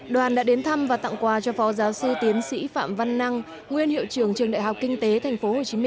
đoàn đã đến thăm và tặng quà cho phó giáo sư tiến sĩ phạm văn năng nguyên hiệu trưởng trường đại học kinh tế tp hcm